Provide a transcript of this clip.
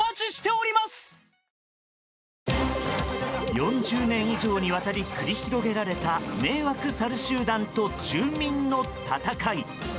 ４０年以上にわたり繰り広げられた迷惑サル集団と住民の戦い。